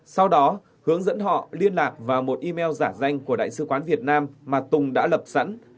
sau đó hướng dẫn họ liên lạc vào một email giả danh của đại sứ quán việt nam mà tùng đã lập sẵn